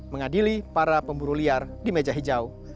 mengadili para pemburu liar di meja hijau